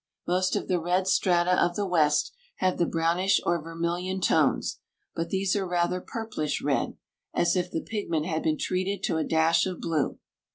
Most of the red strata of the west have the brownish or vermilion tones, but these are rather purplish red, as if the pigment had been treated to a dash of blue.